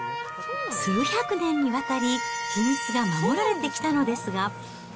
数百年にわたり秘密が守られてきたのですが。